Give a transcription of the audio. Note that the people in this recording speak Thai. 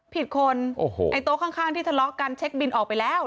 ผิดคนโต๊ะข้างที่ทะเลาะกันเช็กบินออกไปแล้ว